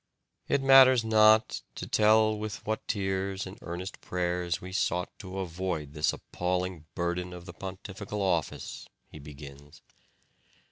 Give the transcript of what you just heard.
"It matters not to tell with what tears and earnest prayers we sought to avoid this appalling burden of the pontifical office," he begins.